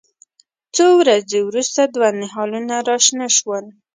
څو ورځې وروسته دوه نهالونه راشنه شول.